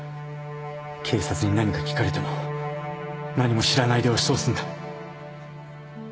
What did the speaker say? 警察に何か聞かれても何も知らないで押し通すんだ